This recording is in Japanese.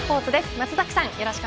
松崎さん